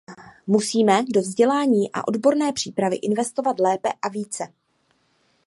Musíme do vzdělání a odborné přípravy investovat lépe a více.